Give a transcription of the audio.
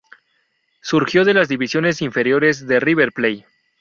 Surgió de las divisiones inferiores de River Plate.